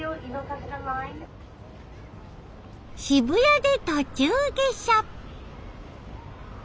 渋谷で途中下車。